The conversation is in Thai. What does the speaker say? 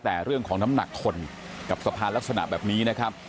แต่เรื่องของน้ำหนักคนกับสะพานลักษณะแบบนี้นะครับ